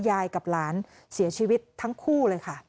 ยายกับหลานเสียชีวิตทั้งคู่เลยค่ะ